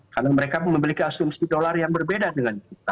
karena mereka memiliki asumsi dolar yang berbeda dengan kita